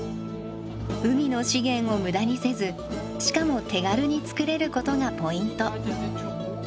海の資源を無駄にせずしかも手軽に作れることがポイント。